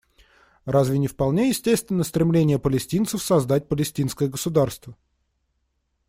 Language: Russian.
Разве не вполне естественно стремление палестинцев создать палестинское государство?